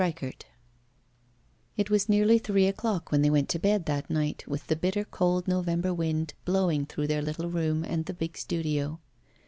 XII IT was nearly three o'clock when they went to bed that night, with the bitter cold November wind blowing through their little room and the big studio.